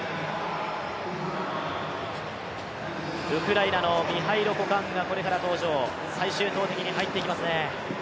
ウクライナのミハイロ・コカーンがこれから登場、最終投てきに入っていきますね。